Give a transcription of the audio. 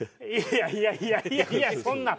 いやいやいやいやそんなん。